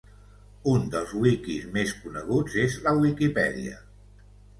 Un dels wikis més coneguts és la Wikipedia.